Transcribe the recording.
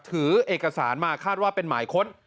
ถือเอกสารมาคาดว่าเป็นหมายค้น